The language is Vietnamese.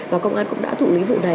và công an cũng đã thụ lý vụ đó